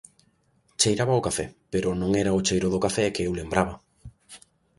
Cheiraba o café, pero non era o cheiro do café que eu lembraba.